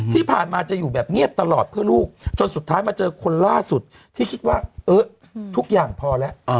ที่ผ่านมาจะอยู่แบบเงียบตลอดเพื่อลูกจนสุดท้ายมาเจอคนล่าสุดที่คิดว่าเออทุกอย่างพอแล้ว